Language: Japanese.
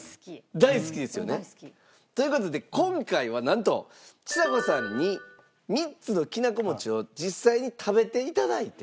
大好きですよね。という事で今回はなんとちさ子さんに３つのきなこ餅を実際に食べて頂いてその味を。